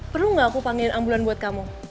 perlu nggak aku panggil ambulan buat kamu